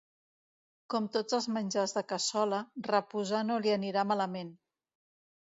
Com tots els menjars de cassola, reposar no li anirà malament.